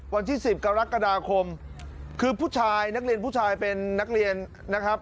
วันที่๑๐กรกฎาคมคือผู้ชายนักเรียนผู้ชายเป็นนักเรียนนะครับ